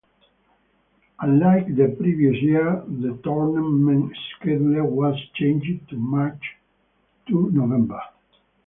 Unlike the previous year, the tournament schedule was changed to March to November.